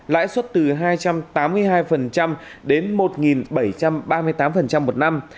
lãi suất từ hai trăm tám mươi hai đến một bảy trăm ba mươi tám một năm